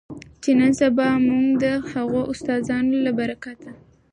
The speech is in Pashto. چې نن سبا مونږ د هغو استادانو له برکته